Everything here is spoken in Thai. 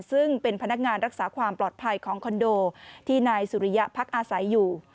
ซึ่งเป็นพนักงานรักษาความปลอดภัยของคอนโดที่นายสุริยะพักอาศัยอยู่